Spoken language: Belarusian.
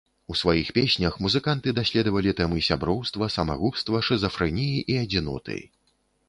У сваіх песнях музыканты даследавалі тэмы сяброўства, самагубства, шызафрэніі і адзіноты.